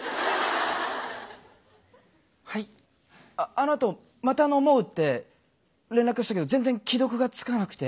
あのあとまた飲もうって連絡したけど全然既読がつかなくて。